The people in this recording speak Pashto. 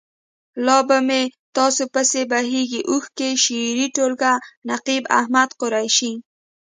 لا به مې تا پسې بهیږي اوښکې. شعري ټولګه. نقيب احمد قریشي.